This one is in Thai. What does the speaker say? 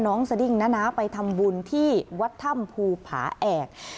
สดิ้งนะนะไปทำบุญที่วัดถ้ำภูผาแอก